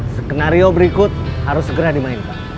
skenario berikut harus segera dimainkan